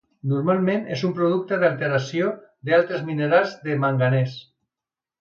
Normalment és un producte de l'alteració d'altres minerals de manganès.